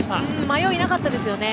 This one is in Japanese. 迷いなかったですよね。